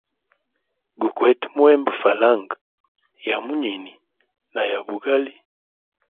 Gukwete muhemba falanga ya munyini na ya bugali.